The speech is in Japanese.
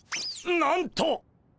なんと！